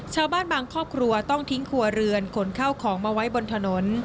ชาวบ้านบางครอบครัวต้องทิ้งครัวเรือนขนเข้าของมาไว้บนถนน